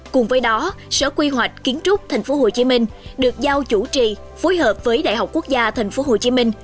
cùng với đó sở quy hoạch kiến trúc tp hcm được giao chủ trì phối hợp với đại học quốc gia tp hcm